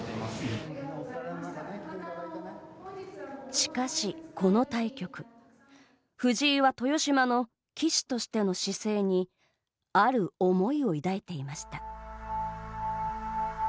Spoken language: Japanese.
しかし、この対局藤井は豊島の棋士としての姿勢にある思いを抱いていました。